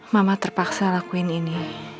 mama terpaksa lakuin ini